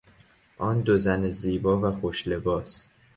آن دو زن زیبا و خوش لباس